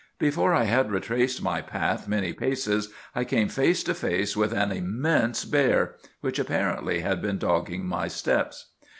Before I had retraced my path many paces, I came face to face with an immense bear, which apparently had been dogging my steps.